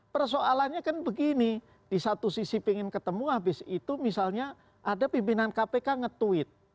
persoalannya kan begini di satu sisi ingin ketemu habis itu misalnya ada pimpinan kpk nge tweet